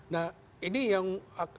nah ini yang